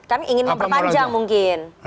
kan ingin memperpanjang mungkin